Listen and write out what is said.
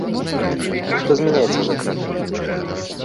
Што змяняецца за кратамі?